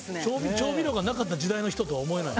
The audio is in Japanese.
調味料がなかった時代の人とは思えない。